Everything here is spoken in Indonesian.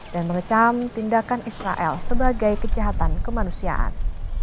dan mengecam tindakan israel sebagai kejahatan kemanusiaan